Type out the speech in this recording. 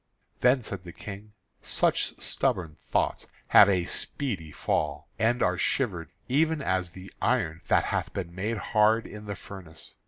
Then said the King: "Such stubborn thoughts have a speedy fall, and are shivered even as the iron that hath been made hard in the furnace.